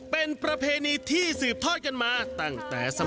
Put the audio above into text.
เป็นประเพณีที่สืบทอดกันมาตั้งแต่สมัย